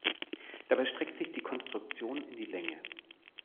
Dabei streckt sich die Konstruktion in die Länge.